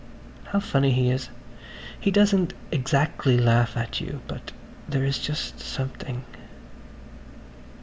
How funny he is. He doesn't exactly laugh at you ... but there is just something.